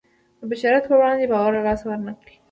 د بشریت په وړاندې باور له لاسه ورنکړو.